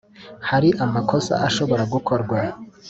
hari amakosa ashobora gukorwa